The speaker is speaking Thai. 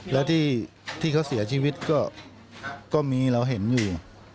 แล้วที่เขาเสียชีวิตก็มีเราเห็นอยู่